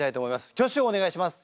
挙手をお願いします。